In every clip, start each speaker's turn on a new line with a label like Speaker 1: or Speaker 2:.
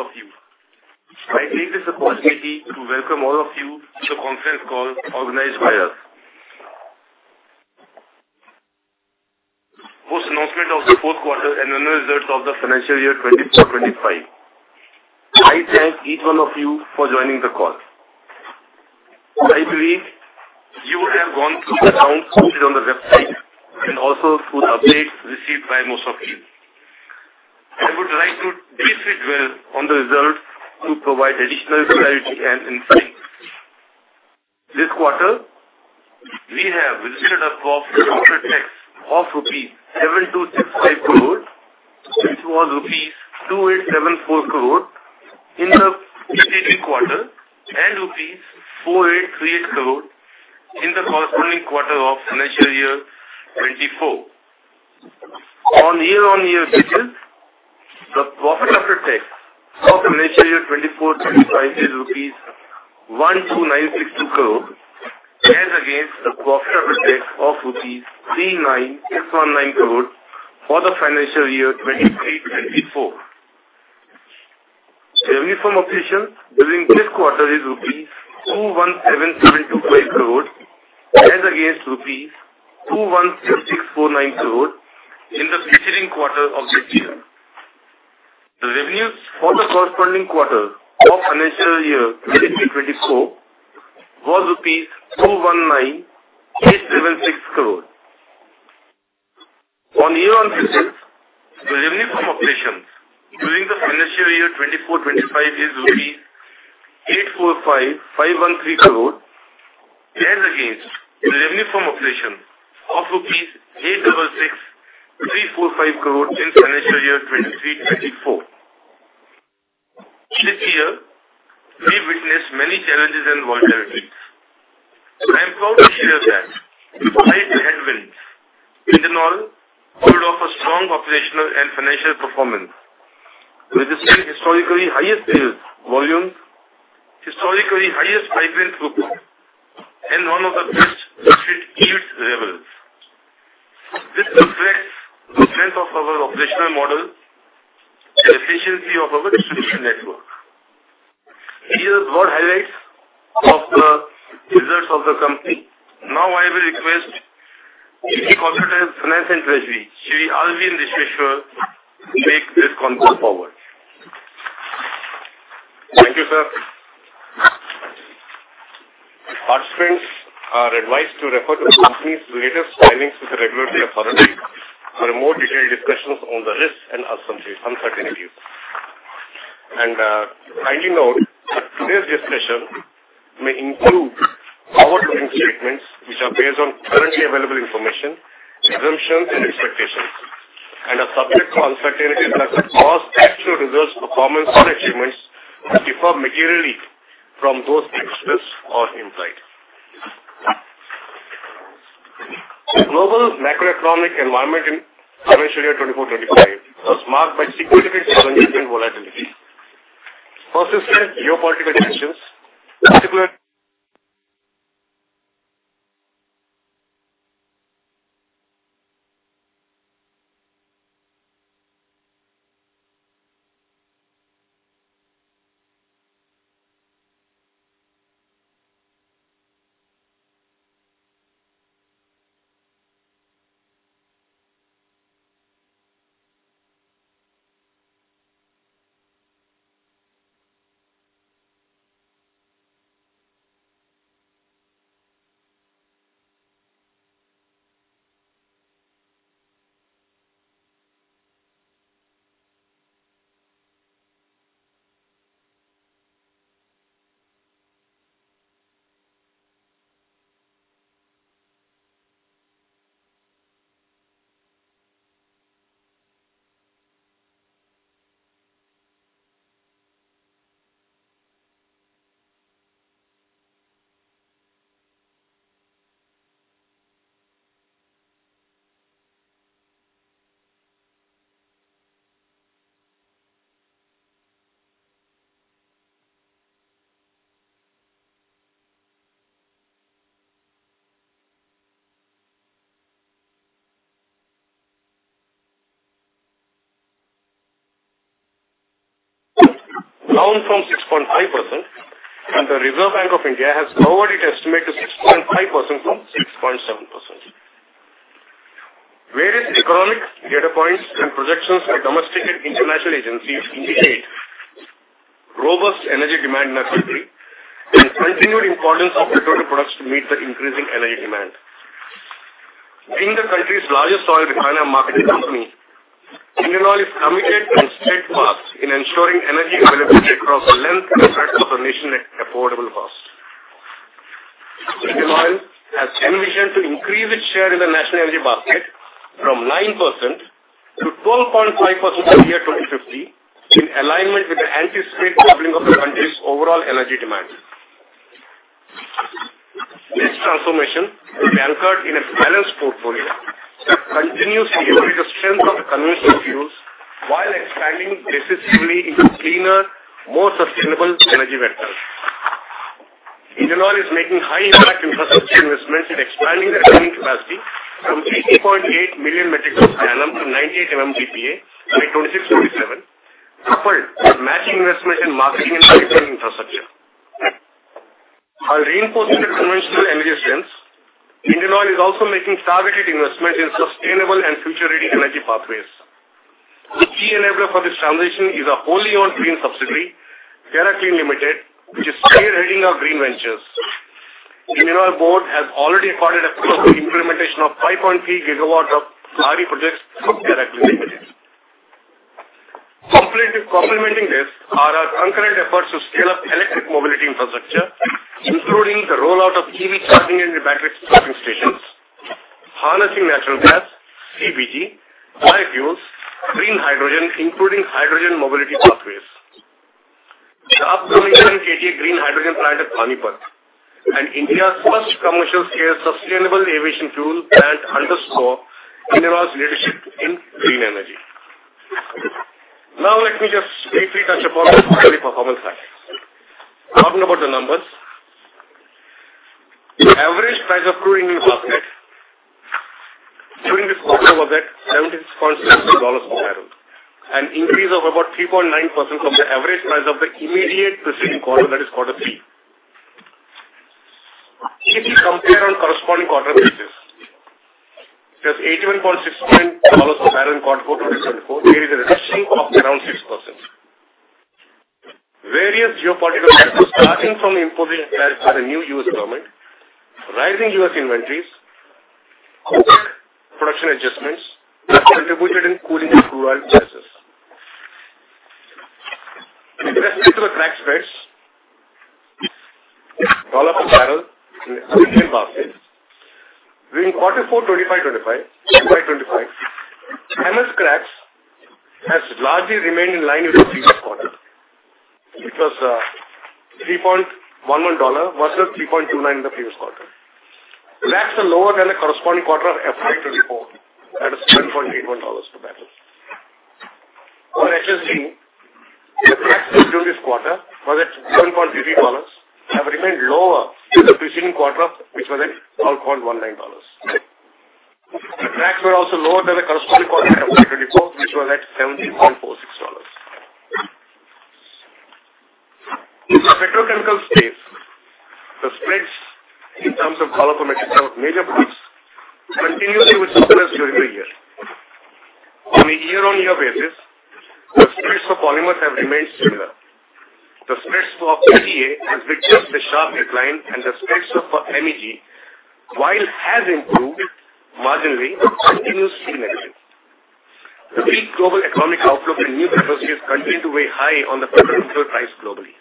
Speaker 1: Very good afternoon to all of you. I take this opportunity to welcome all of you to the conference call organized by us. Post-announcement of the fourth quarter and annual results of the financial year 2024-2025, I thank each one of you for joining the call. I believe you would have gone through the accounts posted on the website and also through the updates received by most of you. I would like to briefly dwell on the results to provide additional clarity and insight. This quarter, we have registered a profit after tax of rupees 7,265 crore, which was rupees 2,874 crore in the previous quarter, and rupees 4,838 crore in the corresponding quarter of financial year 2024. On a year-on-year basis, the profit after tax of financial year 2024-2025 is rupees 12,962 crore, as against the profit after tax of rupees 3,619 crore for the financial year 2023-2024. Revenue from operations during this quarter is rupees 2,17,725 crore, as against rupees 2,16,649 crore in the preceding quarter of this year. The revenues for the corresponding quarter of financial year 2023-2024 were rupees 2,19,876 crore. On year-on-year basis, the revenue from operations during the financial year 2024-2025 is INR 8,45,513 crore, as against the revenue from operations of 8,66,345 crore rupees in financial year 2023-2024. This year, we witnessed many challenges and volatilities. I am proud to share that despite the headwinds, Indian Oil proved off a strong operational and financial performance, registering historically highest sales volumes, historically highest pipeline throughput, and one of the best-shipped EVs ever. This reflects the strength of our operational model and efficiency of our distribution network. These are broad highlights of the results of the company. Now, I will request the Corporate Finance and Treasury, Shri R.V.N. Vishweshwar, to take this conference forward. Thank you, sir.
Speaker 2: Participants are advised to refer to the company's latest filings to the regulatory authorities for more detailed discussions on the risks and uncertainties. A kindly note, today's discussion may include forward-looking statements which are based on currently available information, assumptions, and expectations, and are subject to uncertainties such as cost, actual results, performance, or achievements which differ materially from those expected or implied. The global macroeconomic environment in financial year 2024-2025 was marked by significant challenges and volatility. Persistent geopolitical tensions, particularly down from 6.5%, and the Reserve Bank of India has lowered its estimate to 6.5% from 6.7%. Various economic data points and projections by domestic and international agencies indicate robust energy demand in our country and continued importance of petroleum products to meet the increasing energy demand. Being the country's largest oil refining and marketing company, Indian Oil is committed and steadfast in ensuring energy availability across the land and throughout the nation at affordable cost. Indian Oil has envisioned to increase its share in the national energy basket from 9% to 12.5% by the year 2050, in alignment with the anticipated doubling of the country's overall energy demand. This transformation will be anchored in a balanced portfolio that continues to increase the strength of the conventional fuels while expanding decisively into cleaner, more sustainable energy ventures. Indian Oil is making high-impact infrastructure investments in expanding their refining capacity from 80.8 million metric tons per annum to 98 million metric tons per annum by 2026-2027, coupled with matching investments in marketing and pipeline infrastructure. While reinforcing the conventional energy strength, Indian Oil is also making targeted investments in sustainable and future-ready energy pathways. The key enabler for this transition is a wholly-owned green subsidiary, IOCL Green Energy Limited, which is spearheading our green ventures. Indian Oil Board has already acquired a full implementation of 5.3 GW of RE projects from IOCL Green Energy Limited. Complementing this are our concurrent efforts to scale up electric mobility infrastructure, including the rollout of EV charging and battery swapping stations, harnessing natural gas, CBG, biofuels, green hydrogen, including hydrogen mobility pathways. The upcoming 10 KTA Green Hydrogen Plant at Panipat, and India's first commercial-scale sustainable aviation fuel plant, underscore Indian Oil's leadership in green energy. Now, let me just briefly touch upon the quarterly performance factors. Talking about the numbers, the average price of crude in the market during this quarter was at $76.60 per barrel, an increase of about 3.9% from the average price of the immediate preceding quarter, that is Quarter 3. If we compare on corresponding quarter basis, it was $81.69 per barrel in quarter four 2024. There is a reduction of around 6%. Various geopolitical factors, starting from the imposition of tariffs by the new U.S. government, rising U.S. inventories, and production adjustments, have contributed in cooling the crude oil prices. With respect to the crack spreads, dollar per barrel in the Indian market, during quarter four 2024-2025, MS cracks have largely remained in line with the previous quarter, which was $3.11 versus $3.29 in the previous quarter. Cracks are lower than the corresponding quarter of financial year 2024, that is $7.81 per barrel. For HSD, the cracks during this quarter were at $7.33, have remained lower than the preceding quarter, which was at $12.19. The cracks were also lower than the corresponding quarter of financial year 2024, which was at $17.46. In the petrochemical space, the spreads in terms of dollar per metric ton of major products continue to be similar during the year. On a year-on-year basis, the spreads for polymers have remained similar. The spreads for PTA have witnessed a sharp decline, and the spreads for MEG, while it has improved marginally, continue to be negative. The weak global economic outlook and new capacities continue to weigh high on the petrochemical price globally.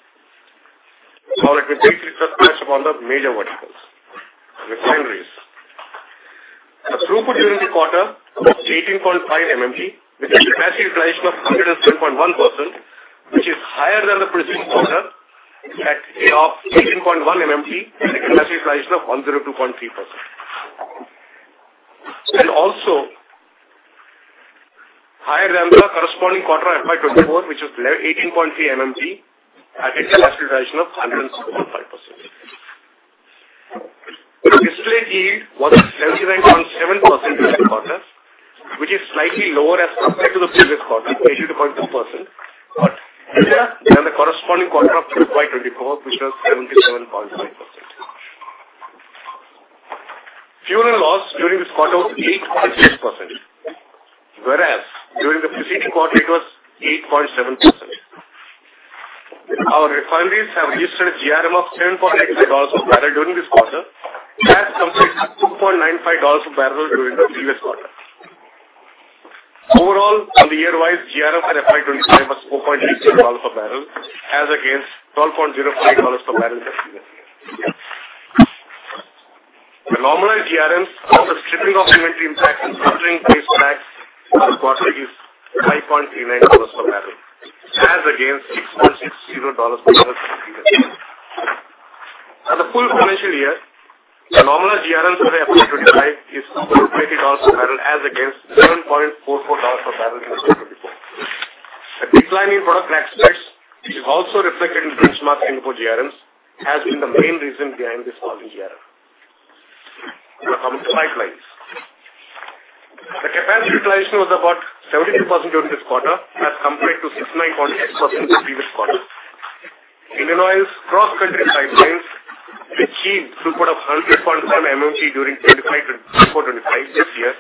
Speaker 2: Now, let me briefly touch upon the major verticals. The throughput during the quarter was 18.5 MMT, with a capacity utilization of 107.1%, which is higher than the preceding quarter at 18.1 MMT, with a capacity utilization of 102.3%, and also higher than the corresponding quarter of FY 2024, which was 18.3 MMT, at a capacity utilization of 107.5%. The display yield was 79.7% during the quarter, which is slightly lower as compared to the previous quarter, 82.2%, but higher than the corresponding quarter of FY 2024, which was 77.5%. Fuel and loss during this quarter was 8.6%, whereas during the preceding quarter, it was 8.7%. Our refineries have registered a GRM of $7.85 per barrel during this quarter, as compared to $2.95 per barrel during the previous quarter. Overall, on the year-wise, GRM for FY 2025 was $4.86 per barrel, as against $12.05 per barrel in the previous year. The normalized GRM, after stripping off inventory impacts and filtering waste bags in the quarter, is $5.39 per barrel, as against $6.60 per barrel in the previous year. For the full financial year, the normalized GRM for FY 2025 is $5.30 per barrel, as against $7.44 per barrel in FY 2024. The decline in product crack spreads is also reflected in benchmark Singapore GRMs, as being the main reason behind this fall in GRM. The pipelines. The capacity utilization was about 72% during this quarter, as compared to 69.6% in the previous quarter. Indian Oil's cross-country pipelines achieved throughput of 100.1 MMT during FY 2024-2025 this year,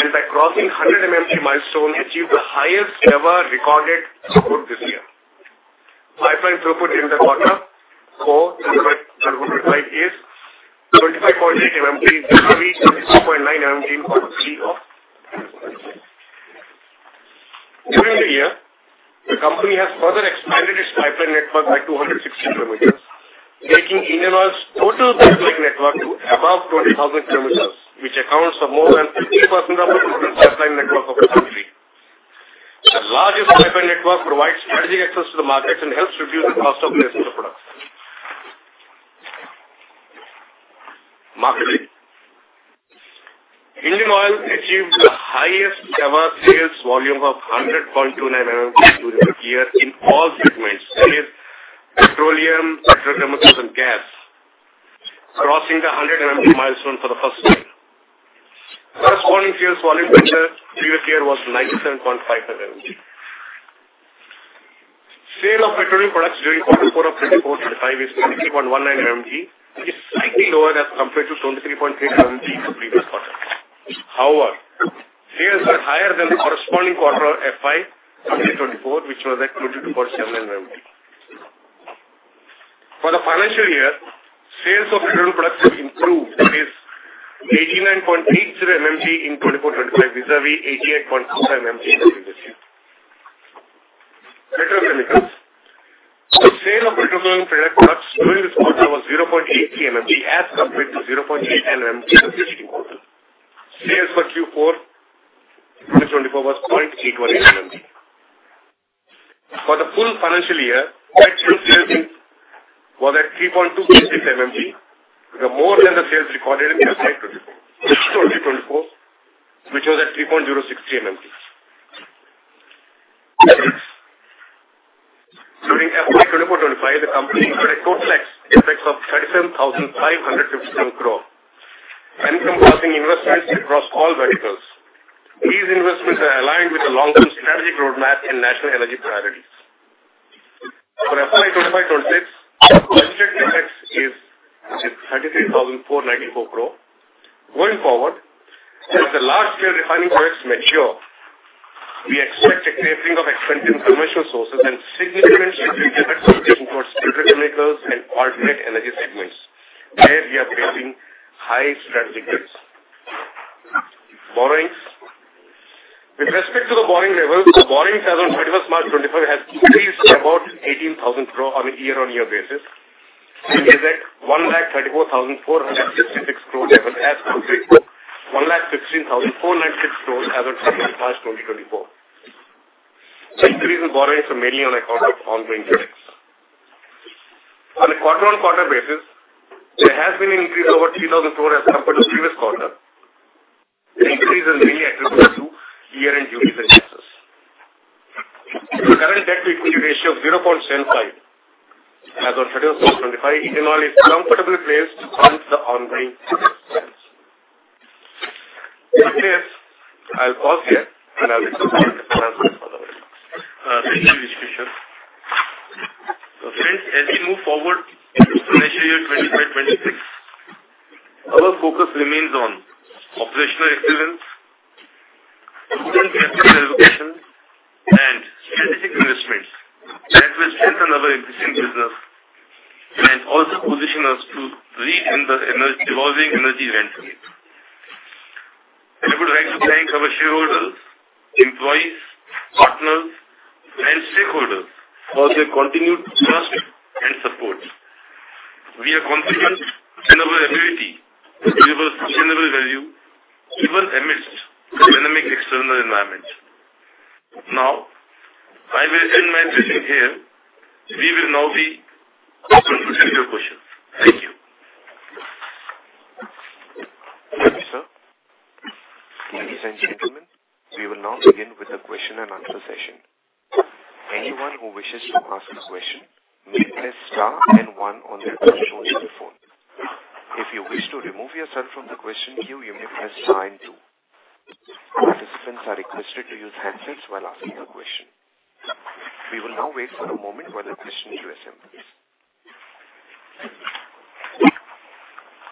Speaker 2: and by crossing the 100 MMT milestone, achieved the highest-ever recorded throughput this year. Pipeline throughput during the quarter 4-2025 is 25.8 MMT, with 32.9 MMT in quarter 3 of FY 2024. During the year, the company has further expanded its pipeline network by 260 kilometers, taking Indian Oil's total pipeline network to above 20,000 kilometers, which accounts for more than 50% of the total pipeline network of the country. The largest pipeline network provides strategic access to the markets and helps reduce the cost of products. Marketing.
Speaker 3: Indian Oil achieved the highest-ever sales volume of 100.29 MMT during the year in all segments, that is petroleum, petrochemicals, and gas, crossing the 100 MMT milestone for the first time. The corresponding sales volume during the previous year was 97.5 MMT. Sale of petroleum products during quarter 4 of FY 2024-2025 is 23.19 MMT, which is slightly lower as compared to 23.37 MMT in the previous quarter. However, sales were higher than the corresponding quarter of FY 2023-2024, which was at 22.7 MMT. For the financial year, sales of petroleum products have improved to 89.80 MMT in FY 2024-2025 vis-à-vis 88.25 MMT in the previous year. Petrochemicals. The sale of petrochemical products during this quarter was 0.83 MMT, as compared to 0.89 MMT in the preceding quarter. Sales for Q4-2024 was 0.818 MMT. For the full financial year, petroleum sales was at 3.286 MMT, which was more than the sales recorded in FY 2023-2024, which was at 3.060 MMT. During FY 2024-2025, the company incurred a total expense of 37,557 crore in capital investments across all verticals. These investments are aligned with the long-term strategic roadmap and national energy priorities. For FY 2025-2026, projected expense is INR 33,494 crore. Going forward, as the large-scale refining projects mature, we expect a tapering of expenses in conventional sources and significant shifting towards petrochemicals and alternate energy segments, where we are facing high strategic gains. Borrowings. With respect to the borrowing levels, borrowing as of 2025 has increased by about 18,000 crore on a year-on-year basis, which is at 134,466 crore level as compared to 116,496 crore as of 2024. The increase in borrowings is mainly on account of ongoing debts. On a quarter-on-quarter basis, there has been an increase of over 3,000 crore as compared to the previous quarter, an increase that is mainly attributable to year-end duties and taxes. The current debt-to-equity ratio of 0.75 as of 2021-2025, Indian Oil is comfortably placed to fund the ongoing expenses. With this, I'll pause here and I'll discuss the financials for the very last.
Speaker 2: Thank you, Mr. Kumar. Friends, as we move forward into the financial year 2025-2026, our focus remains on operational excellence, prudent capital allocation, and strategic investments that will strengthen our existing business and also position us to lead in the evolving energy landscape. I would like to thank our shareholders, employees, partners, and stakeholders for their continued trust and support. We are confident in our ability to deliver sustainable value even amidst the dynamic external environment. Now, I will end my briefing here. We will now be open for questions. Thank you.
Speaker 4: Thank you, sir. Ladies and gentlemen, we will now begin with the question and answer session. Anyone who wishes to ask a question may press star and one on the control uniform. If you wish to remove yourself from the question queue, you may press star and two. Participants are requested to use hand sanitizer while asking a question. We will now wait for a moment for the question queue assemblies.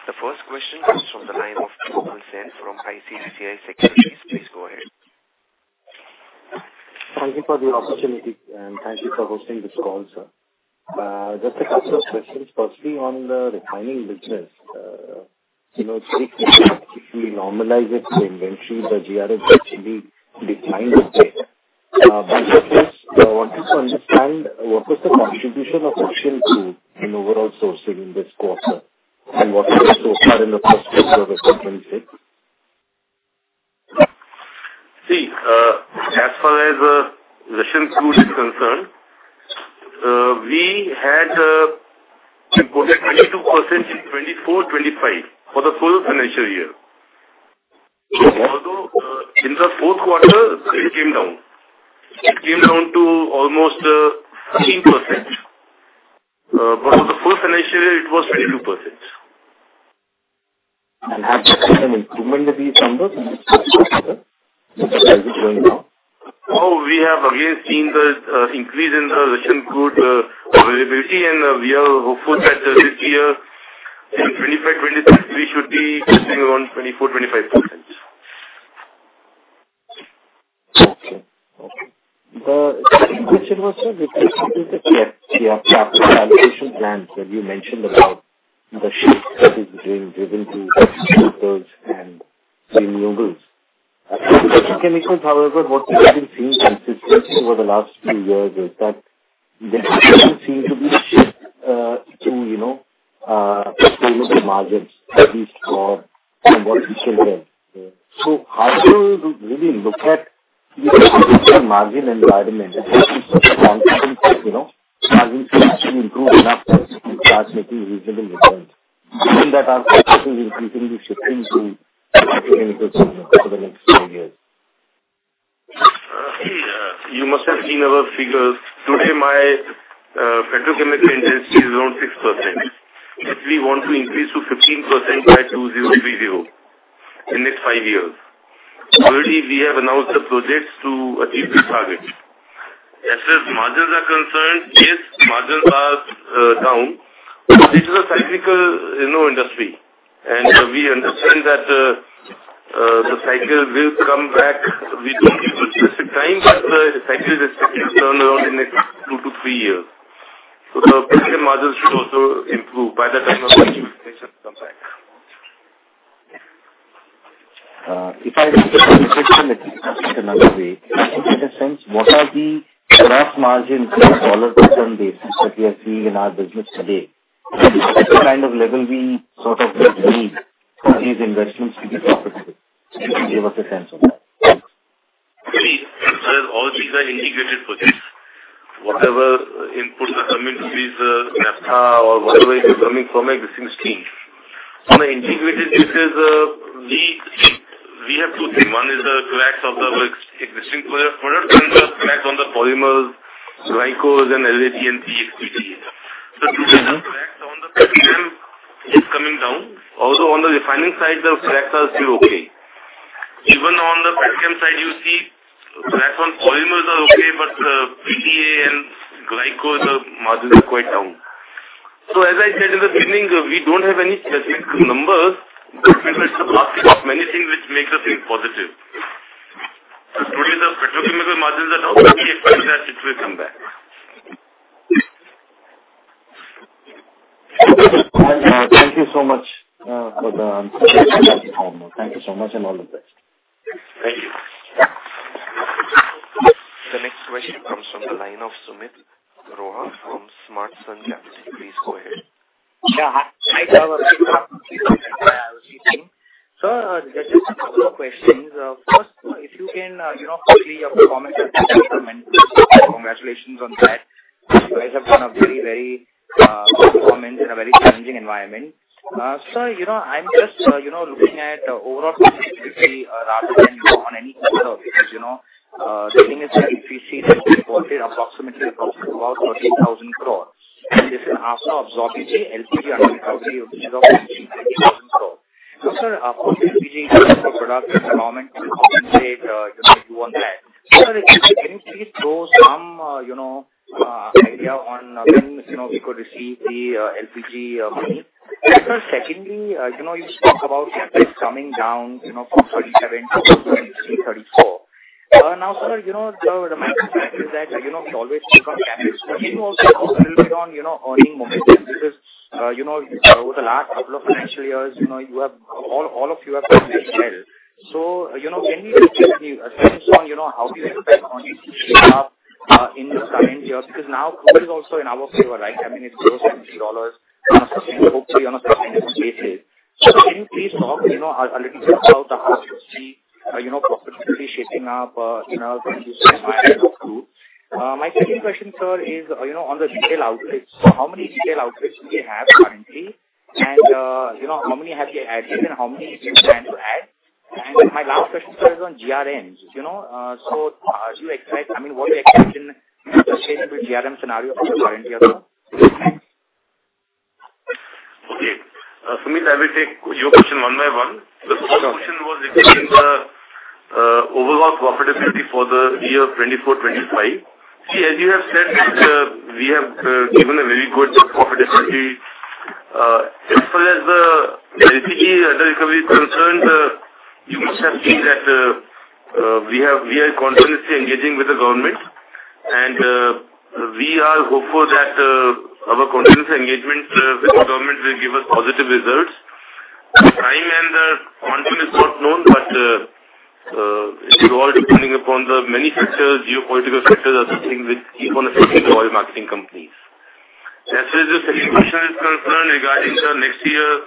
Speaker 4: The first question comes from the line of Michael Zand from ICICI Securities. Please go ahead.
Speaker 5: Thank you for the opportunity, and thank you for hosting this call, sir. Just a couple of questions. Firstly, on the refining business, it's very clear that if we normalize it to inventory, the GRM will actually decline the spend. First, I wanted to understand what was the contribution of actual crude in overall sourcing in this quarter, and what we have so far in the first quarter of FY 2026?
Speaker 2: See, as far as the Russian crude is concerned, we had an important 22% in 2024-2025 for the full financial year. Although in the fourth quarter, it came down. It came down to almost 16%. For the full financial year, it was 22%.
Speaker 5: Has there been some improvement in these numbers as it's going now?
Speaker 2: We have again seen the increase in the Russian crude availability, and we are hopeful that this year, in 2025-2026, we should be seeing around 24-25%.
Speaker 5: Okay. The question was, with respect to the capital calculation plans, when you mentioned about the shift that is being driven to chemicals and renewables.
Speaker 2: As for petrochemicals, however, what we have been seeing consistently over the last few years is that there does not seem to be a shift to sustainable margins, at least for what we can tell.
Speaker 5: How do you really look at the margin environment? Is there some confidence that margins will actually improve enough to start making reasonable returns? That are increasingly shifting to petrochemicals for the next few years?
Speaker 2: You must have seen our figures. Today, my petrochemical industry is around 6%. If we want to increase to 15% by 2030 in the next five years, already we have announced the projects to achieve this target. As far as margins are concerned, yes, margins are down. It is a cyclical industry, and we understand that the cycle will come back within a specific time, but the cycle is expected to turn around in the next 2-3 years. The petrochemical margins should also improve by the time the expectations come back.
Speaker 5: If I get the question again, just another way, I think, in a sense, what are the gross margins in dollar-per-ton basis that we are seeing in our business today? What kind of level do we sort of need for these investments to be profitable? Give us a sense on that.
Speaker 2: See, all these are integrated projects. Whatever inputs are coming through these naphtha or whatever is coming from existing streams. On an integrated basis, we have two things. One is the cracks of the existing products and the cracks on the polymers, glycols, and LAT and PETs. The cracks on the petrochem are coming down. Although on the refining side, the cracks are still okay. Even on the petrochem side, you see cracks on polymers are okay, but PTA and glycols, the margins are quite down. As I said in the beginning, we do not have any specific numbers, but we will start with many things which make the thing positive. Today, the petrochemical margins are down. We expect that it will come back.
Speaker 5: Thank you so much for the answers. Thank you so much and all the best.
Speaker 2: Thank you.
Speaker 4: The next question comes from the line of Sumeet Rohra from Smartkarma. Please go ahead.
Speaker 6: Yeah, hi. Hi, sir. I was listening. Sir, just a couple of questions. First, if you can quickly comment on the performance. Congratulations on that. You guys have done very, very good performance in a very challenging environment. Sir, I'm just looking at overall profitability rather than on any other basis. The thing is that we see that we quoted approximately about 13,000 crore, and this is after absorbing the LPG under recovery, which is around 19,000 crore. Now, sir, for the LPG product development, how much do you do on that? Sir, can you please throw some idea on when we could receive the LPG money? Sir, secondly, you spoke about CapEx coming down from 37,000 crore to 34,000 crore. Now, sir, the management is that we always think of CapEx, but can you also talk a little bit on earning momentum? Because over the last couple of financial years, all of you have been very well. Can you give me a sense on how do you expect on the future staff in the coming year? Because now crude is also in our favor, right? I mean, it grows $70 on a sustainable, hopefully on a sustainable basis. Can you please talk a little bit about how you see profitability shaping up in the future environment of crude? My second question, sir, is on the retail outfits. How many retail outfits do you have currently, and how many have you added, and how many do you plan to add? My last question, sir, is on GRMs. Do you expect, I mean, what do you expect in a sustainable GRM scenario for the current year?
Speaker 2: Okay. Sumit, I will take your question one by one. The first question was regarding the overall profitability for the year 2024-2025. See, as you have said, we have given a very good profitability. As far as the LPG under recovery is concerned, you must have seen that we are continuously engaging with the government, and we are hopeful that our continuous engagement with the government will give us positive results. The time and the quantum is not known, but it is all depending upon the many factors, geopolitical factors, as the thing which keep on affecting the oil marketing companies. As far as the second question is concerned regarding the next year's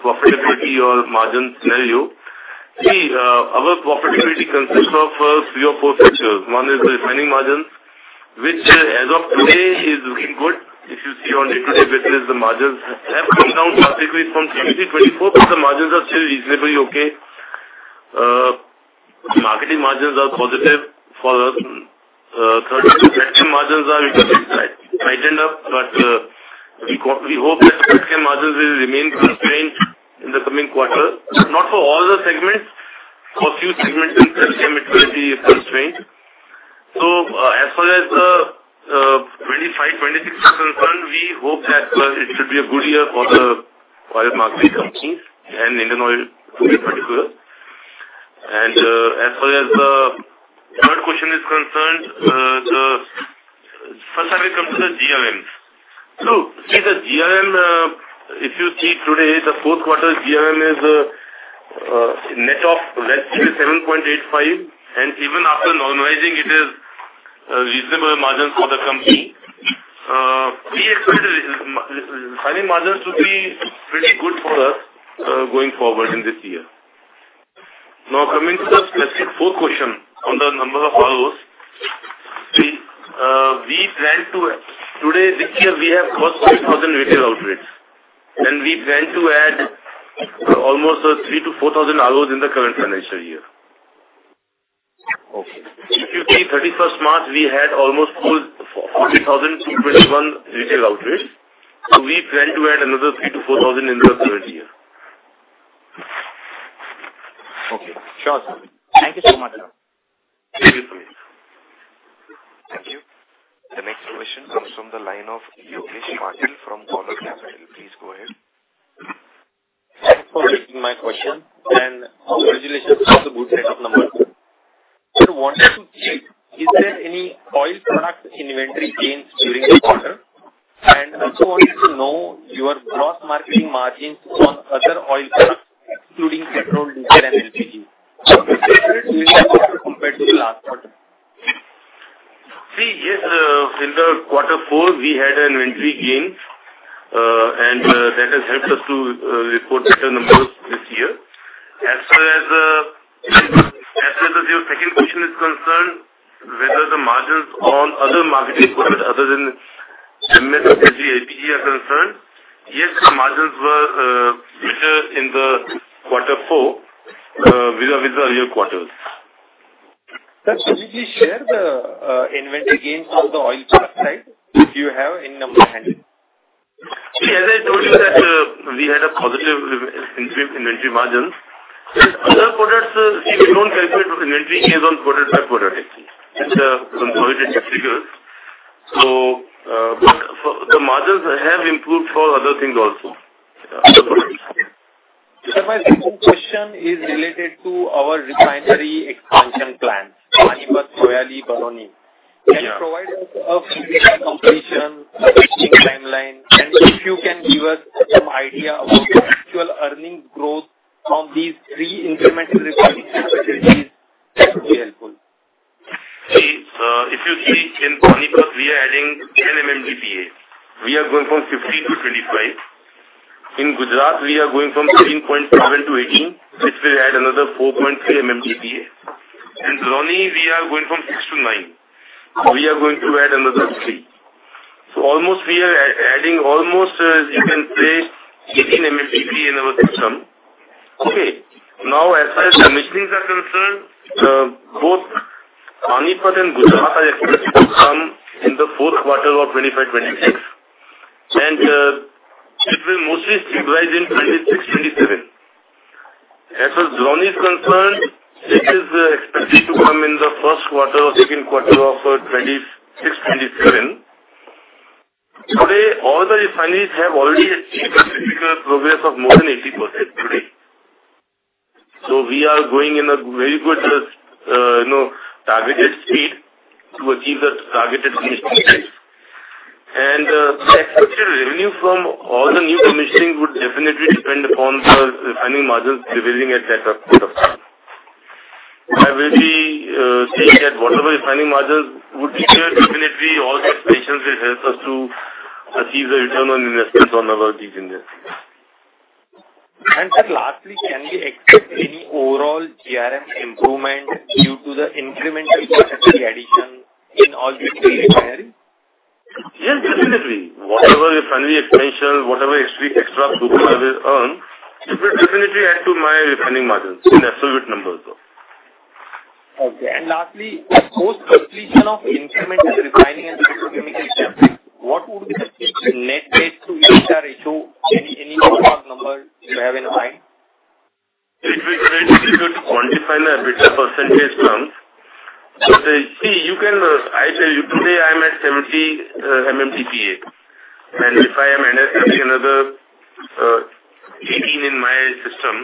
Speaker 2: profitability or margin scenario, see, our profitability consists of three or four factors. One is the refining margins, which as of today is looking good. If you see on day-to-day basis, the margins have come down slightly from 2023-2024, but the margins are still reasonably okay. Marketing margins are positive for us. Petrochem margins are a bit tightened up, but we hope that the petrochem margins will remain constrained in the coming quarter. Not for all the segments. For a few segments in petrochem, it will be constrained. As far as 2025-2026 is concerned, we hope that it should be a good year for the oil marketing companies and Indian Oil in particular. As far as the third question is concerned, first, I will come to the GRMs. See, the GRM, if you see today, the fourth quarter GRM is net of revenue $7.85, and even after normalizing, it is reasonable margins for the company. We expect refining margins to be pretty good for us going forward in this year. Now, coming to the specific fourth question on the number of ROs, see, we plan to today, this year, we have crossed 40,000 retail outlets, and we plan to add almost 3,000-4,000 ROs in the current financial year. Okay. If you see, 31st March, we had almost 40,021 retail outlets, so we plan to add another 3,000-4,000 in the current year.
Speaker 6: Okay. Sure, sir. Thank you so much, sir.
Speaker 2: Thank you, Sumit.
Speaker 4: Thank you. The next question comes from the line of Yogesh Patil from Dolat Capital. Please go ahead.
Speaker 7: Thanks for taking my question, and congratulations on the good set of numbers. I wanted to check, is there any oil product inventory gains during the quarter? And I also wanted to know your gross marketing margins on other oil products, including petrol, diesel, and LPG. Is there a trend during the quarter compared to the last quarter?
Speaker 2: See, yes, in the quarter four, we had an inventory gain, and that has helped us to report better numbers this year. As far as your second question is concerned, whether the margins on other marketing products other than MS, LPG, LPG are concerned, yes, the margins were better in the quarter four with our year quarters. Sir, could you please share the inventory gains on the oil product side? If you have any numbers handy. See, as I told you that we had a positive inventory margins. See, other products, see, we don't calculate inventory gains on product by product. It's a consolidated figure. But the margins have improved for other things also.
Speaker 7: The second question is related to our refinery expansion plans: Panipat, Gujarat, Barauni. Can you provide us a completion timeline? If you can give us some idea about the actual earning growth on these three incremental refining facilities, that would be helpful.
Speaker 2: See, if you see, in Panipat, we are adding 10 MMTPA. We are going from 15 to 25. In Gujarat, we are going from 13.7 to 18, which will add another 4.3 MMTPA. In Barauni, we are going from 6 to 9. We are going to add another 3. So we are adding almost, you can say, 18 MMTPA in our system. Okay. Now, as far as commissionings are concerned, both Panipat and Gujarat are expected to come in the fourth quarter of 2025-2026, and it will mostly stabilize in 2026-2027. As far as Barauni is concerned, it is expected to come in the first quarter or second quarter of 2026-2027. Today, all the refineries have already achieved a typical progress of more than 80% today. We are going in a very good targeted speed to achieve the targeted commissioning dates. The expected revenue from all the new commissionings would definitely depend upon the refining margins prevailing at that point of time. I will be seeing that whatever refining margins would be there, definitely all the expectations will help us to achieve the return on investment on our these industries. Sir, lastly, can we expect any overall GRM improvement due to the incremental capacity addition in all these refineries? Yes, definitely. Whatever refinery expansion, whatever extra crude oil we earn, it will definitely add to my refining margins in absolute numbers, though. Okay. Lastly, post-completion of incremental refining and petrochemicals, what would be the net base to EHR ratio? Any number you have in mind? It will be very difficult to quantify the percentage terms. See, I tell you, today I'm at 70 MMT, and if I am adding another 18 in my system,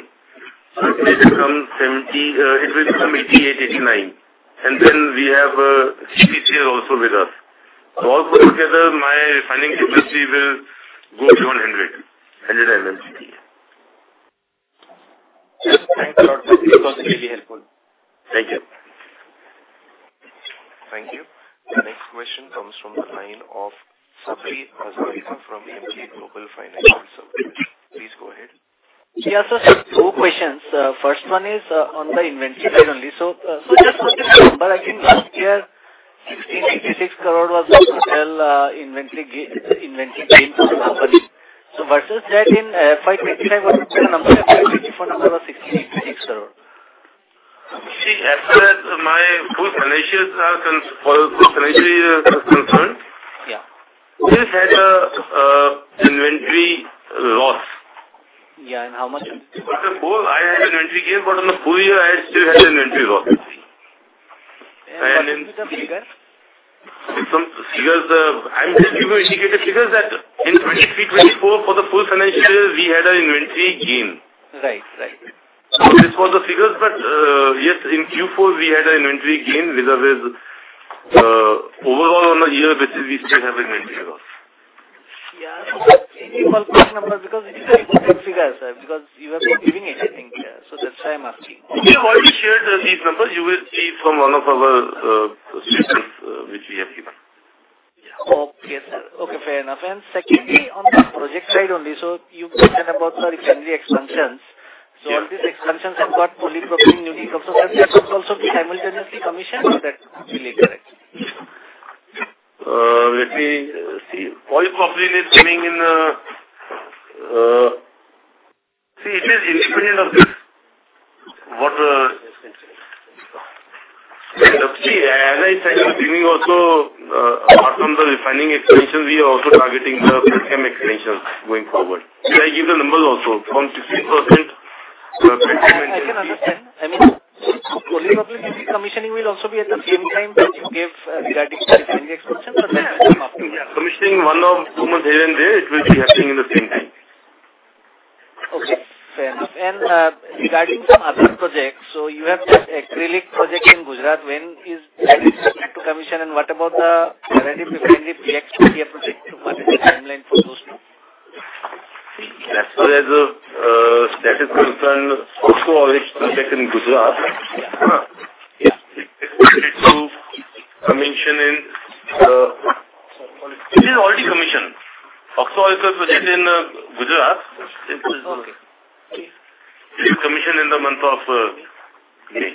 Speaker 2: it will become 88, 89. Then we have CPCL also with us. Altogether, my refining capacity will go beyond 100, 100 MMT.
Speaker 7: Thank you a lot, sir. This was really helpful.
Speaker 2: Thank you.
Speaker 4: Thank you. The next question comes from the line of Sabri Hazarika from Emkay Global Financial Services. Please go ahead.
Speaker 8: Yes, sir. Two questions. First one is on the inventory side only. Just for this number, I think last year, INR 16.86 billion was the total inventory gain for the company. Versus that, in FY25, what was the number? FY24 number was INR 16.86 billion. See, as far as my whole financials are concerned, we've had an inventory loss. Yeah, and how much? For the whole, I had an inventory gain, but on the full year, I still had an inventory loss. What was the figure? I'm just giving you indicative figures that in 2023-2024, for the full financial year, we had an inventory gain. Right, right. This was the figures, but yes, in Q4, we had an inventory gain. Otherwise, overall, on a year basis, we still have an inventory loss. Yeah. Can you tell me the number? Because it is a reported figure, sir, because you have been giving it, I think. That's why I'm asking. We have already shared these numbers. You will see from one of our statements which we have given. Okay, sir. Okay, fair enough. Secondly, on the project side only, you mentioned about the refinery expansions. All these expansions have got polypropylene units also.
Speaker 2: That also simultaneously commissioned or that related? Let me see. Polypropylene is coming in. See, it is independent of this. See, as I said in the beginning also, apart from the refining expansion, we are also targeting the petrochem expansions going forward. I give the numbers also from 16% petrochem expansion.
Speaker 8: I can understand. I mean, polypropylene unit commissioning will also be at the same time that you gave regarding the refinery expansion or then afterwards?
Speaker 2: Yeah, commissioning one or two months here and there, it will be happening in the same time.
Speaker 8: Okay, fair enough. Regarding some other projects, you have this acrylic project in Gujarat. When is that expected to commission? What about the other refinery projects? Do you have to make a timeline for those too? As far as that is concerned, Oxo Alcohol project in Gujarat.
Speaker 2: Yeah. It's expected to commission in it is already commissioned. Oxo Alcohol is project in Gujarat. It is commissioned in the month of May.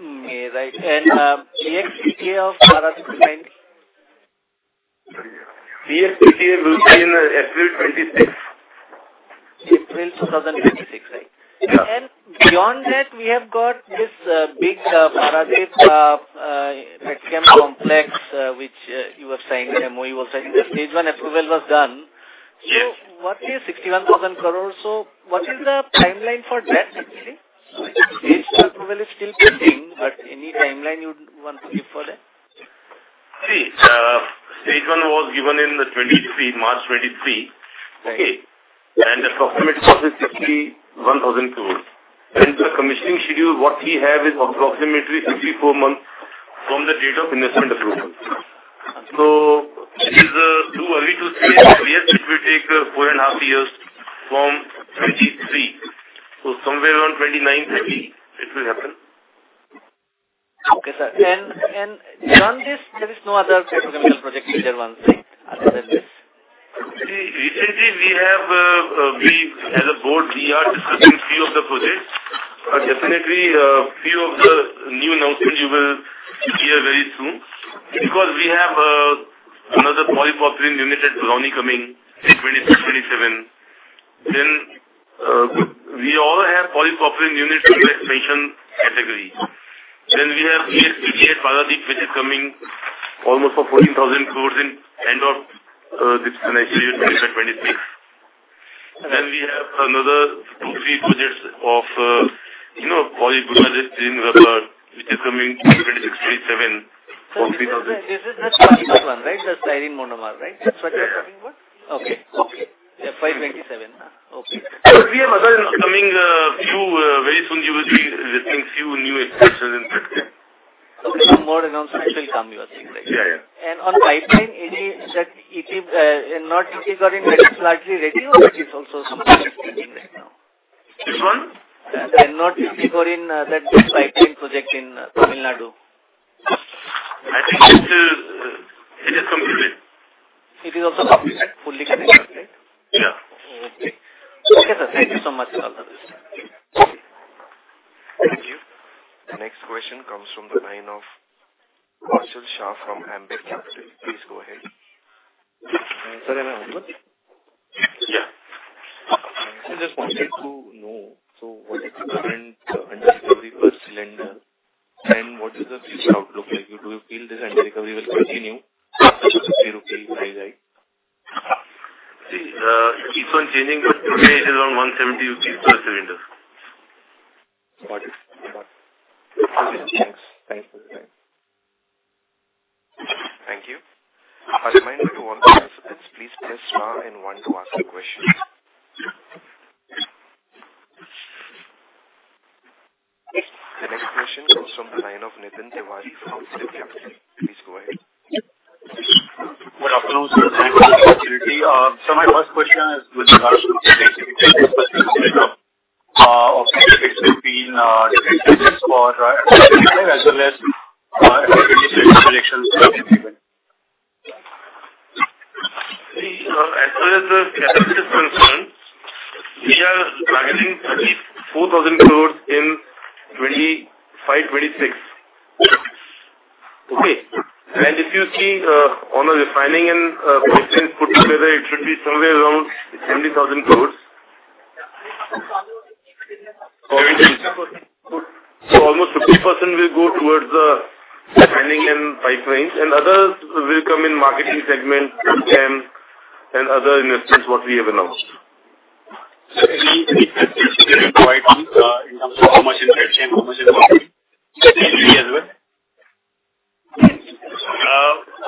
Speaker 8: May, right. And PXPTA of Paradip, when?
Speaker 2: PXPTA will be in April 2026.
Speaker 8: April 2026, right? Yeah. Beyond that, we have got this big Paradip petrochem complex which you have signed, MOE was signed. The stage one approval was done. What is 61,000 crore or so? What is the timeline for that, actually? Stage two approval is still pending, but any timeline you want to give for that?
Speaker 9: See, stage one was given in March 2023. Okay. Approximately it is 61,000 crore. The commissioning schedule, what we have is approximately 64 months from the date of investment approval. It is too early to say, but yes, it will take four and a half years from 2023.
Speaker 2: Somewhere around 29-30, it will happen. Okay, sir. Beyond this, there is no other petrochemical project in the other ones other than this? See, recently, we have a board, we are discussing a few of the projects. Definitely, a few of the new announcements you will hear very soon. We have another polypropylene unit at Barauni coming in 2026-2027. We also have polypropylene units in the expansion category. We have PXPTA at Paradip, which is coming almost for 14,000 crore in the end of this financial year 2025-2026. We have another two-three projects of Poly Gujarat, which is coming in 2026-2027 for 3,000 crore.
Speaker 8: This is the starting one, right? The styrene monomer, right? That is what you are talking about? Okay. FY2027. Okay.
Speaker 2: We have other coming very soon. You will be listening to a few new expansions in petrochem.
Speaker 8: Okay. Some more announcements will come, you are saying, right?
Speaker 2: Yeah, yeah.
Speaker 8: On pipeline, is it that Ennore-Tuticorin that is largely ready or is it also something expanding right now?
Speaker 2: Which one?
Speaker 8: The North Ennore-Tuticorin, that big pipeline project in Tamil Nadu?
Speaker 2: I think it is completed. It is also completed, fully connected, right?
Speaker 8: Yeah. Okay. Okay, sir. Thank you so much for all the questions.
Speaker 2: Thank you.
Speaker 4: The next question comes from the line of Harshil Shah from Ambit Capital. Please go ahead. Sir Harshil?
Speaker 10: Yeah. I just wanted to know, what is the current under recovery per cylinder? What does the fuel crowd look like? Do you feel this under recovery will continue after the INR 50 price hike?
Speaker 2: See, it keeps on changing, but today it is around INR 170 per cylinder.
Speaker 10: Got it. Got it. Thanks. Thanks for your time.
Speaker 4: Thank you. I remind you all participants, please press star and one to ask a question. The next question comes from the line of Nitin Tiwari from PhillipCapital. Please go ahead.
Speaker 11: Good afternoon, sir. Thank you for the opportunity. My first question is with regards to the anti-recovery of petrochemicals being expected for. As well as anti-recovery selection decisions to be given?
Speaker 2: See, as far as the catalyst is concerned, we are targeting at least INR 4,000 crore in 2025-2026.
Speaker 11: Okay.
Speaker 2: If you see on the refining and pipelines put together, it should be somewhere around 70,000 crore. Almost 50% will go towards the refining and pipelines. Others will come in marketing segment and other investments we have announced.
Speaker 11: Any expectations you have in terms of how much in petrochem, how much in propane? Any as well?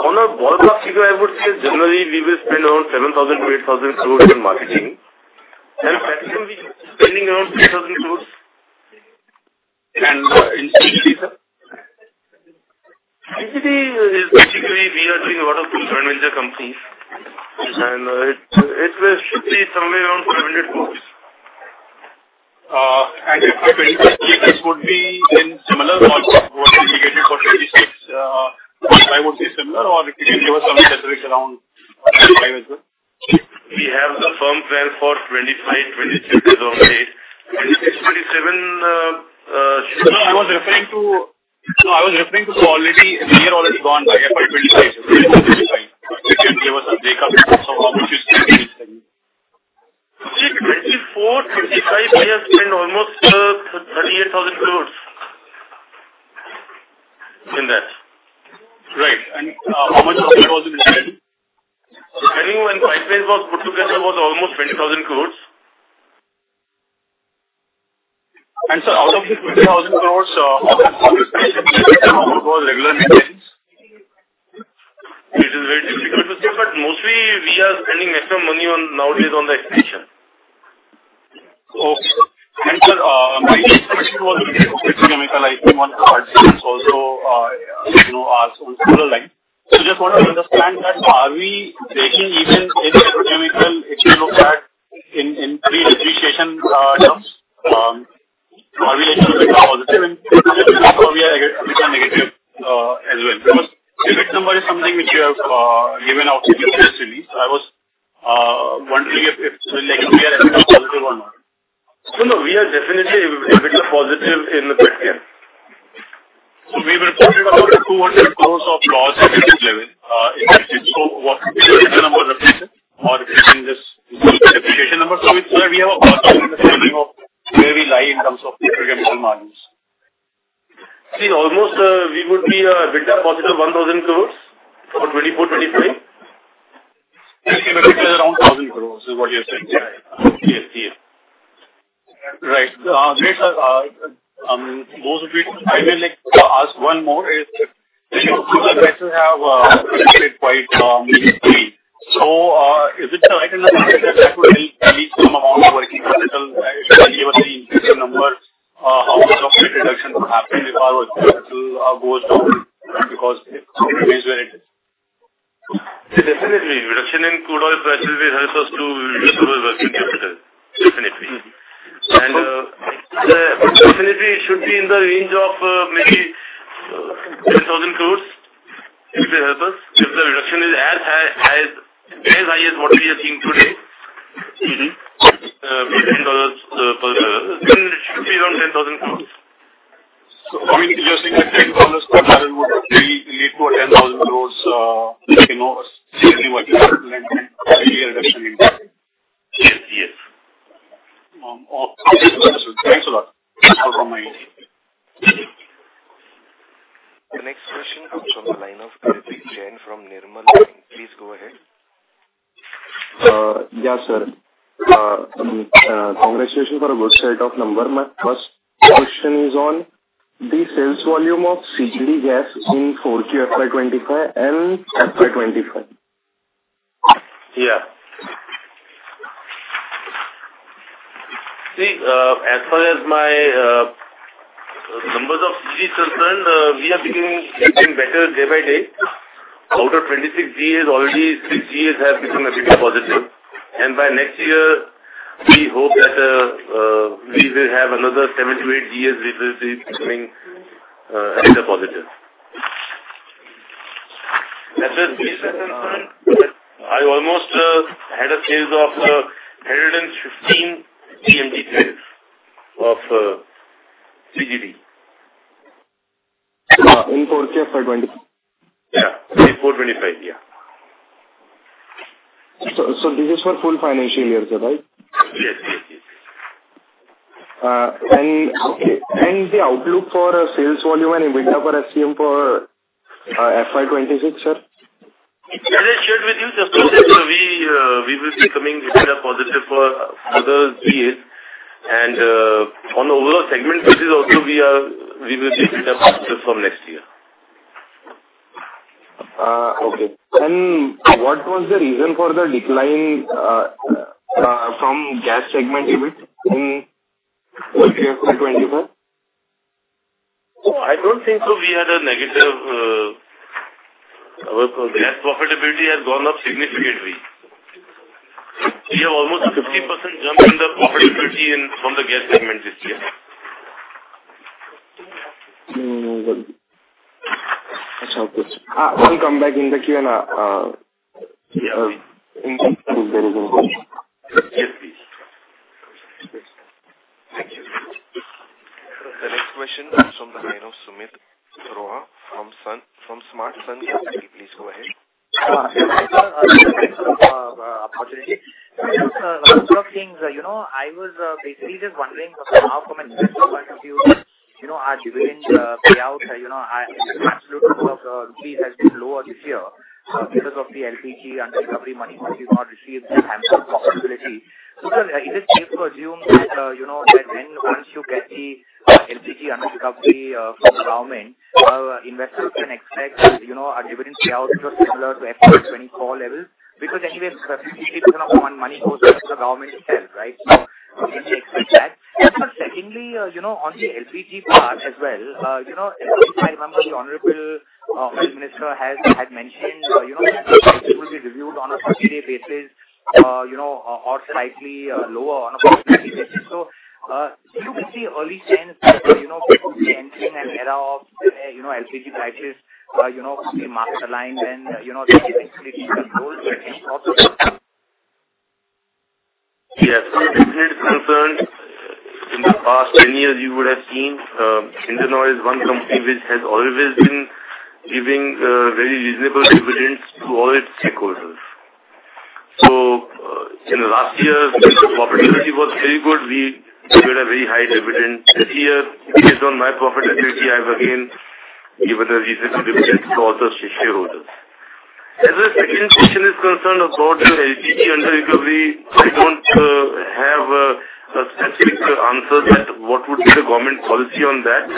Speaker 9: On a ballpark figure, I would say generally we will spend around 7,000-8,000 crore on marketing. And platinum, we are spending around INR 3,000 crore. In CPC, sir? CPC is basically we are doing a lot of joint venture companies. It should be somewhere around INR 500 crore. For 2025-2026, would it be similar or what you indicated for 2026-2027? I would say similar, or if you can give us some calculations around 2025 as well? We have the firm plan for 2025-2026 is okay. 2026-2027, I was referring to, no, I was referring to the already, we are already gone by FY2025. You can give us a breakup of how much you spend each time. See, 2024-2025, we have spent almost 38,000 crore in that.
Speaker 11: Right. How much profit was the investment?
Speaker 2: I think when pipelines were put together, it was almost 20,000 crore.
Speaker 11: Sir, out of the 20,000 crores, how much was regular maintenance?
Speaker 2: It is very difficult to say, but mostly we are spending extra money nowadays on the expansion.
Speaker 11: Sir, my next question was petrochemical, I think one of the participants also asked on the line. I just want to understand that are we taking even any petrochemical, if you look at in pre-depreciation terms, are we a little bit positive?
Speaker 2: I just want to know how we are a bit negative as well. Because the event number is something which you have given out previously. I was wondering if we are a bit positive or not. No, we are definitely a bit positive in the petrochem. We were talking about 200 crores of loss at this level.
Speaker 11: What does the number represent? Or is it just the depreciation number?
Speaker 9: It is where we have a positive understanding of where we lie in terms of petrochemical margins. See, almost we would be a bit positive, 1,000 crore for 2024-2025. We are around 1,000 crore is what you are saying. Yeah. Yes, yes. Right. Great, sir. Those of you, I will ask one more. The prices have fluctuated quite meaningfully. Is it the right analysis that that would help at least some amount of working capital? If you can give us the increasing number, how much of that reduction would happen if our working capital goes down? Because it remains where it is. Definitely. Reduction in crude oil prices will help us to reduce our working capital. Definitely. It should be in the range of maybe 10,000 crore if it helps us.
Speaker 11: If the reduction is as high as what we are seeing today, $10 per share, then it should be around INR 10,000 crore. I mean, you're saying that $10 per share would lead to an INR 10,000 crore significantly working capital and reduction in cost?
Speaker 2: Yes, yes.
Speaker 11: Thanks a lot. Thanks for my interview.
Speaker 4: The next question comes from the line of Apoorva Bahadur from Nirmal Bang. Please go ahead.
Speaker 12: Yeah, sir. Congratulations for a good set of numbers. My first question is on the sales volume of CGD gas in Q4 FY2025 and FY2025.
Speaker 2: Yeah. See, as far as my numbers of CGD are concerned, we are becoming better day by day. Out of 26 GEs, already 6 GEs have become EBITDA positive. By next year, we hope that we will have another 7-8 GEs which will be becoming EBITDA positive. As far as GEs are concerned, I almost had a sales of 115 TMG trails of CGD.
Speaker 12: In 4Q FY25?
Speaker 2: Yeah. In 4Q FY25, yeah.
Speaker 12: This is for full financial year, sir, right?
Speaker 2: Yes, yes, yes.
Speaker 12: The outlook for sales volume and EBITDA per SCM for FY26, sir?
Speaker 2: As I shared with you just now, we will be coming with a bit of positive for other GEs. On overall segments, we will be a bit positive from next year.
Speaker 12: Okay. What was the reason for the decline from gas segment unit in 4Q FY25?
Speaker 2: I do not think we had a negative. Gas profitability has gone up significantly. We have almost a 50% jump in the profitability from the gas segment this year.
Speaker 12: That is our question. I will come back in the Q&A if there is any question.
Speaker 2: Yes, please. Thank you.
Speaker 4: The next question is from the line of Sumeet Rohra from Smartkarma. Please go ahead.
Speaker 6: Opportunity. I was just thinking, I was basically just wondering how from an investor's point of view, our dividend payout, the absolute amount of INR has been lower this year because of the LPG under recovery money which we've not received in time for profitability. Sir, is it safe to assume that once you get the LPG under recovery from the government, investors can expect a dividend payout just similar to FY2024 levels? Anyway, a significant amount of money goes back to the government itself, right? They can expect that. Secondly, on the LPG part as well, if I remember, the Honorable Home Minister has mentioned that it will be reviewed on a 40-day basis or slightly lower on a 40-day basis.
Speaker 13: Do you see early signs that people will be entering an era of LPG prices being market-aligned and things will be controlled? Any thoughts on that? Yes. Definitely concerned in the past 10 years you would have seen Indian Oil, one company which has always been giving very reasonable dividends to all its stakeholders. In the last year, the profitability was very good. We got a very high dividend. This year, based on my profitability, I've again given a reasonable dividend to all the shareholders. As a second question is concerned about the LPG under recovery, I don't have a specific answer that what would be the government policy on that.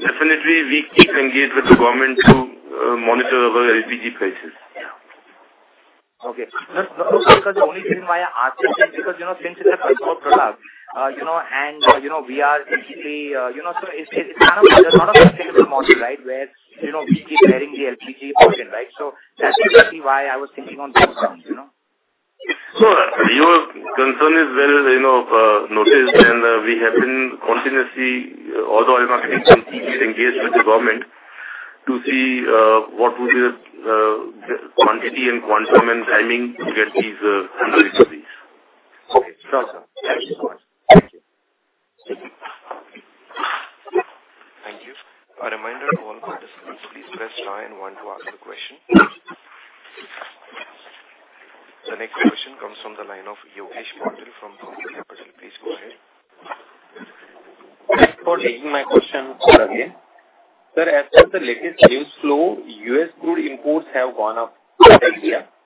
Speaker 13: Definitely, we keep engaged with the government to monitor our LPG prices.
Speaker 6: Okay. That was the only reason why I asked you because since it's a customer product and we are basically, so it's kind of a lot of sustainable model, right, where we keep wearing the LPG option, right? That's exactly why I was thinking on that one.
Speaker 2: Your concern is well noticed and we have been continuously, although I'm not getting completely engaged with the government, to see what would be the quantity and quantum and timing to get these under recovery.
Speaker 6: Okay. Sounds good. Thank you so much.
Speaker 2: Thank you.
Speaker 4: Thank you. A reminder to all participants, please press star and one to ask a question. The next question comes from the line of Yogesh Patil from Tyger Capital. Please go ahead.
Speaker 7: Thanks for taking my question again. Sir, as per the latest news flow, US crude imports have gone up. I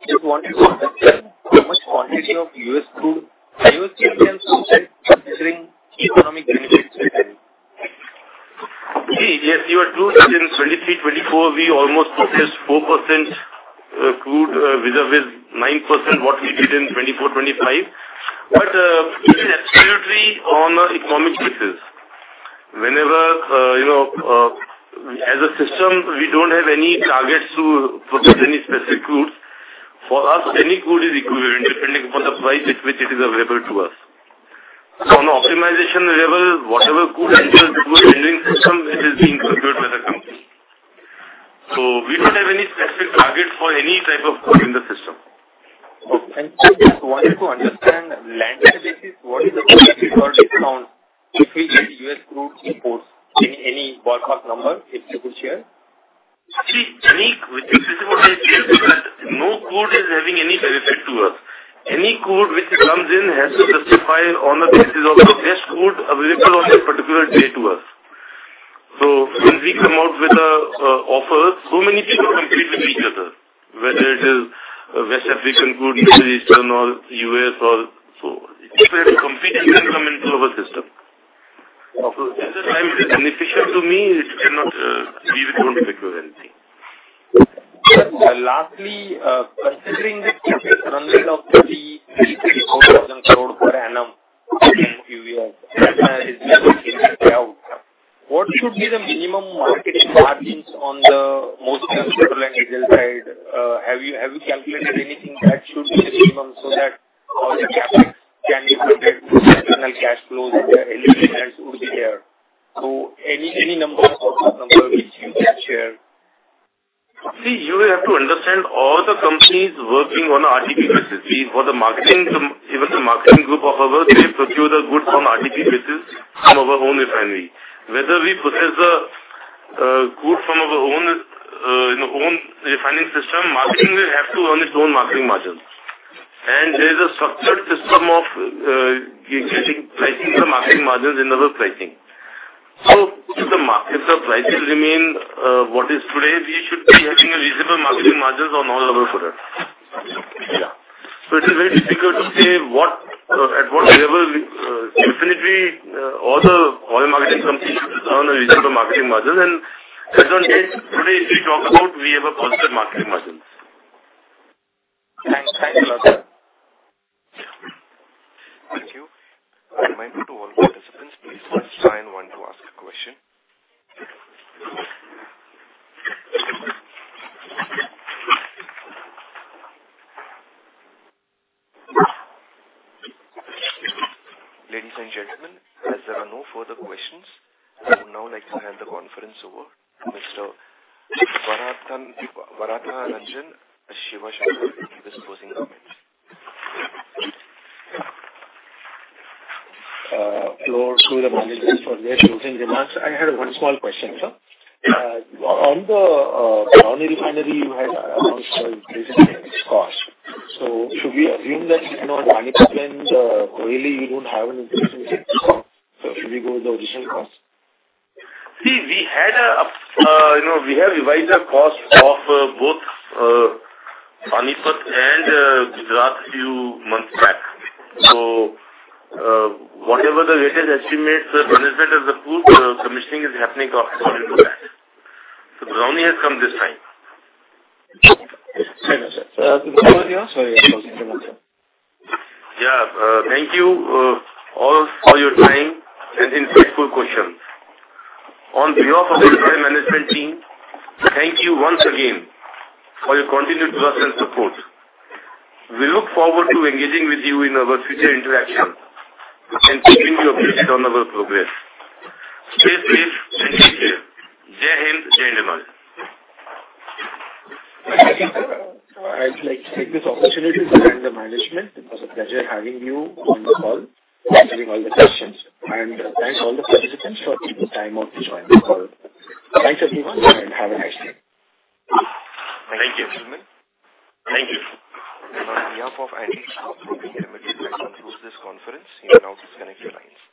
Speaker 7: just wanted to understand how much quantity of U.S. crude I was given the chance to see considering economic benefits within?
Speaker 9: Yes, you are true. Since 2023-2024, we almost touched 4% crude vis-à-vis 9% what we did in 2024-2025. But it is absolutely on an economic basis. Whenever, as a system, we don't have any targets to put any specific crudes. For us, any crude is equivalent depending upon the price at which it is available to us. On the optimization level, whatever crude enters into a vendoring system, it is being procured by the company. We don't have any specific targets for any type of crude in the system. Okay. I just wanted to understand land-basis what is the percentage or discount if we get U.S. crude imports? Any ballpark number if you could share?
Speaker 2: See, any crude is no crude is having any benefit to us. Any crude which comes in has to justify on the basis of the best crude available on a particular day to us. When we come out with an offer, so many people compete with each other, whether it is West African crude, Middle Eastern, or US, or so. It is a competition come into our system. At the time, it is inefficient to me. It cannot be withdrawn to procure anything.
Speaker 7: Lastly, considering the current rate of INR 3,000 crore per annum from US is being taken out, what should be the minimum market margins on the mostly on the petroleum and diesel side? Have you calculated anything that should be the minimum so that all the capital can be put into the external cash flows where health insurance would be there?
Speaker 14: Any number of numbers which you can share. See, you have to understand all the companies working on RTP basis. See, for the marketing, even the marketing group of ours, they procure the goods on RTP basis from our own refinery. Whether we process the crude from our own refining system, marketing will have to run its own marketing margins. There is a structured system of getting pricing, the marketing margins, and other pricing. If the prices remain what is today, we should be having reasonable marketing margins on all of our products. Yeah. It is very difficult to say at what level. Definitely, all the oil marketing companies should run a reasonable marketing margin. At that date, today, if we talk about, we have positive marketing margins.
Speaker 7: Thanks a lot, sir. Thank you.
Speaker 4: A reminder to all participants, please press star and one to ask a question. Ladies and gentlemen, as there are no further questions, I would now like to hand the conference over to Mr. V. Satish Kumar to give his closing comments.
Speaker 15: Hello to the managers for their closing remarks. I had one small question, sir. On the Barauni refinery, you had announced an increase in cost. Should we assume that Panipat and Gujarat, you do not have an increase in cost? Should we go with the original cost?
Speaker 2: See, we have revised the cost of both Panipat and Gujarat a few months back. Whatever the latest estimates, the management of the crude, commissioning is happening according to that. Barauni has come this time.
Speaker 15: Thank you, sir.
Speaker 2: Anything else?
Speaker 15: Sorry, I was closing for a moment, sir. Yeah.
Speaker 3: Thank you all for your time and insightful questions. On behalf of the entire management team, thank you once again for your continued trust and support. We look forward to engaging with you in our future interactions and keeping you updated on our progress. Stay safe and take care. Jai Hind, Jai Indian Oil.
Speaker 4: I would like to take this opportunity to thank the management. It was a pleasure having you on the call and giving all the questions. Thanks to all the participants for taking the time out to join the call. Thanks, everyone, and have a nice day. Thank you. Thank you. Thank you. On behalf of Anupri Chen and Anupri's management, we will close this conference. You may now disconnect your lines.